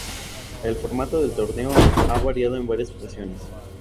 El formato del torneo ha variado en varias ocasiones.